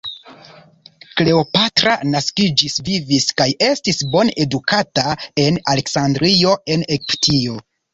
Kleopatra naskiĝis, vivis kaj estis bone edukata en Aleksandrio en Egiptio.